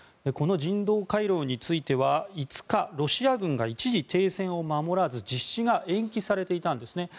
この人道回廊については５日、ロシア軍が一時停戦を守らず実施が延期されていたんです。